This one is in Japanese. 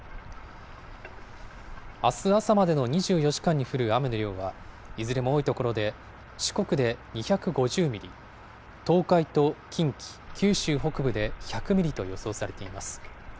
あす朝までの２４時間に降る雨の量は、いずれも多い所で、四国で２５０ミリ、東海と近畿、九州北部で１００ミリと予想されています。